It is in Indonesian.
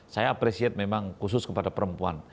saya menghargai kepada perempuan